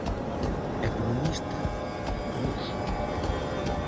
Economista ruso.